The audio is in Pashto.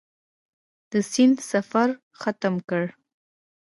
د سیند سفر ختم کړ.